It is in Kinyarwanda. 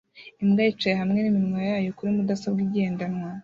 Imbwa yicaye hamwe niminwa yayo kuri mudasobwa igendanwa